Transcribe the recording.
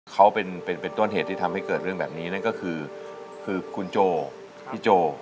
เขาเป็นต้นเหตุที่ทำให้เกิดเรื่องแบบนี้นั่นก็คือคือคุณโจพี่โจ